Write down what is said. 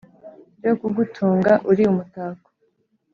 ryo kugutunga uri umutako